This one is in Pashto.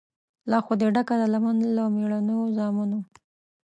لا خو دي ډکه ده لمن له مېړنو زامنو